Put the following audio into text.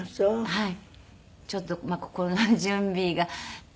はい。